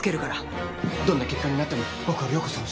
どんな結果になっても僕は涼子さんを。